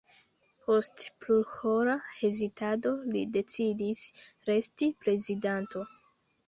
Post plurhora hezitado li decidis resti prezidanto.